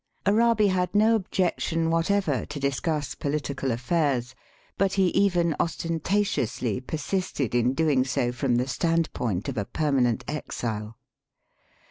Arabi had no objection whatever to discuss pohtical affairs; but he even ostentatiously persisted in doing so from the standpoint of a permanent exile.